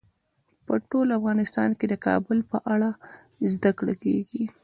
په ټول افغانستان کې د کابل په اړه زده کړه کېږي.